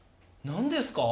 何ですか？